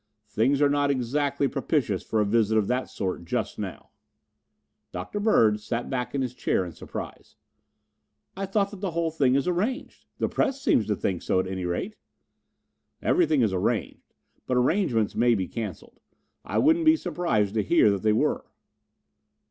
"Things are not exactly propitious for a visit of that sort just now." Dr. Bird sat back in his chair in surprise. "I thought that the whole thing is arranged. The press seems to think so, at any rate." "Everything is arranged, but arrangements may be cancelled. I wouldn't be surprised to hear that they were."